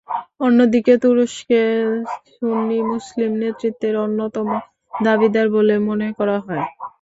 অন্যদিকে, তুরস্ককে সুন্নি মুসলিম নেতৃত্বের অন্যতম দাবিদার বলে মনে করা হয়।